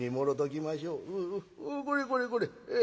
おこれこれこれ。